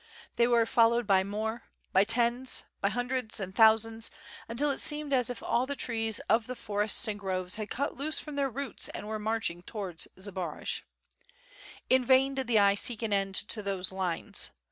They were followed by more, by tens, by hundreds and thousands, until it seemed as if all the trees of the forests and groves had cut loose from their roots and were march ing towards Zbaraj. In vain did the eye seek an end to those lines.